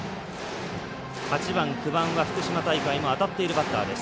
８番、９番は福島大会も当たっているバッターです。